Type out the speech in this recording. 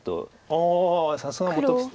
ああさすが本木さん。